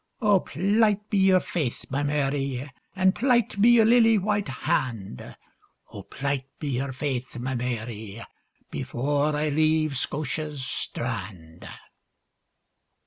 O plight me your faith, my Mary, And plight me your lily white hand;O plight me your faith, my Mary, Before I leave Scotia's strand.